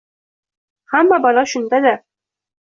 — Hamma balo shunda-da!